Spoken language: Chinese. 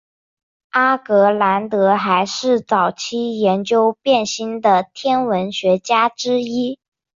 阿格兰德还是早期研究变星的天文学家之一。